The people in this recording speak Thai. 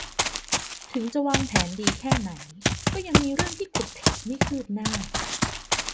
ถึงจะวางแผนดีแค่ไหนก็ยังมีเรื่องที่ขลุกขลักไม่คืบหน้า